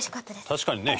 確かにね。